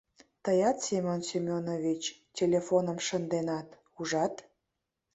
— Тыят, Семен Семенович, телефоным шынденат, ужат?